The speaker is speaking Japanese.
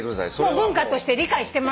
文化として理解してもらえた？